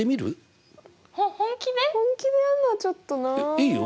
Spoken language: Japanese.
いいよ。